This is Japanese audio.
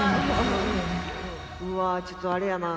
うわーちょっとあれやな。